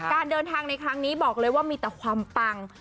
การเดินทางในครั้งนี้บอกเลยว่ามีแต่ความปัง